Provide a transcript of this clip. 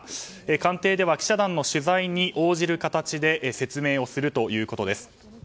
官邸では記者団の取材に応じる形で説明をするということです。